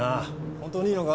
本当にいいのか？